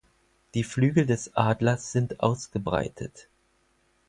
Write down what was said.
Die Flügel des Adlers sind ausgebreitet.